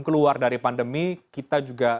keluar dari pandemi kita juga